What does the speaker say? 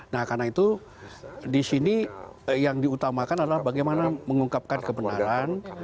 nah karena itu di sini yang diutamakan adalah bagaimana mengungkapkan kebenaran